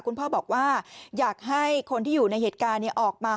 คุณพ่อบอกว่าอยากให้คนที่อยู่ในเหตุการณ์ออกมา